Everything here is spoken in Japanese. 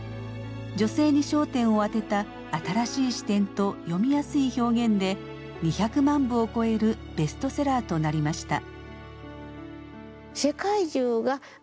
女性に焦点を当てた新しい視点と読みやすい表現で２００万部を超えるベストセラーとなりました。